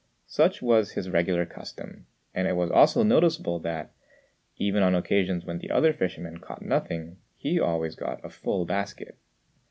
Such was his regular custom; and it was also noticeable that, even on occasions when the other fishermen caught nothing, he always got a full basket.